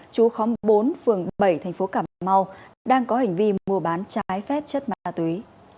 chú khóm bốn phường bảy thành phố cà mau đang có hành vi mua bán trái phép chất ma túy